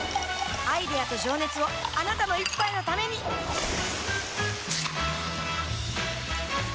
アイデアと情熱をあなたの一杯のためにプシュッ！